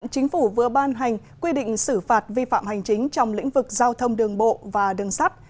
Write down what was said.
chính phủ vừa ban hành quy định xử phạt vi phạm hành chính trong lĩnh vực giao thông đường bộ và đường sắt